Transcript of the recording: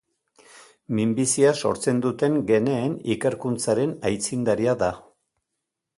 Minbizia sortzen duten geneen ikerkuntzaren aitzindaria da.